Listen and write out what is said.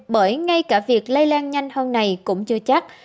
bởi ngay cả việc lây lan nhanh hơn này cũng chưa chắc